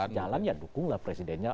jalan ya dukunglah presidennya